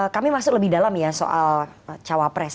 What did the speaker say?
kami masuk lebih dalam ya soal cawapres